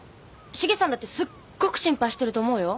シゲさんだってすっごく心配してると思うよ。